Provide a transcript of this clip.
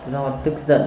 do tức giận